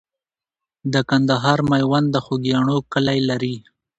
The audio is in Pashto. د کندهار میوند د خوګیاڼیو کلی لري.